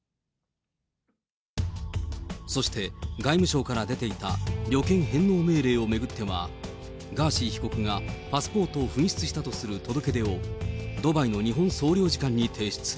そして外務省から出ていた旅券返納命令を巡っては、ガーシー被告がパスポートを紛失したとする届け出を、ドバイの日本総領事館に提出。